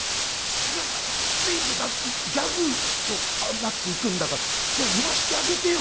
そりゃお前マズイよだってギャグああなっていくんだから言わせてあげてよ